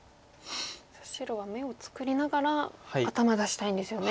白は眼を作りながら頭出したいんですよね。